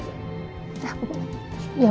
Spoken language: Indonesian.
bentar dulu ya